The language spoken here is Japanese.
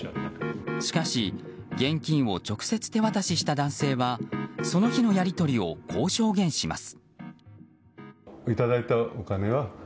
しかし、現金を直接手渡しした男性はその日のやり取りをこう証言します。